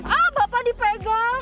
ah bapak dipegang